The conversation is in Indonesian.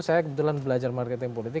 saya kebetulan belajar marketing politik